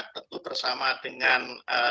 tentu bersama dengan